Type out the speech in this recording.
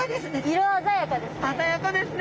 色鮮やかですね。